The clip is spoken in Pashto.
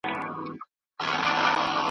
ستا په څېر غوندي سړي خدمت کومه ,